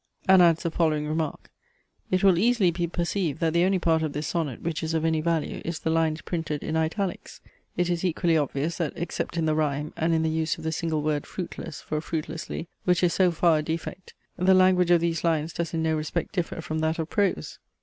"_ and adds the following remark: "It will easily be perceived, that the only part of this Sonnet which is of any value, is the lines printed in italics; it is equally obvious, that, except in the rhyme, and in the use of the single word `fruitless' for fruitlessly, which is so far a defect, the language of these lines does in no respect differ from that of prose."